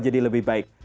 jadi lebih baik